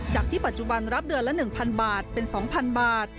จากที่ปัจจุบันรับเดือนละ๑๐๐บาทเป็น๒๐๐บาท